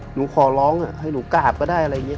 หนูขอร้องให้หนูกราบก็ได้อะไรอย่างนี้